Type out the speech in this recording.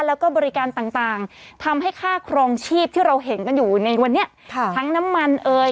ต่างทำให้ค่าครองชีพที่เราเห็นกันอยู่ในวันนี้ทั้งน้ำมันเอย